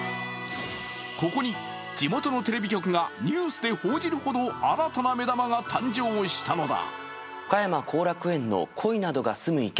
ここに地元のテレビ局がニュースで報じるほど新たな目玉が誕生したのだ。